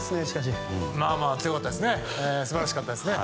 まあまあ強かったですね。